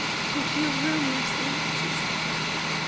"Go to your room, Mercy," she said.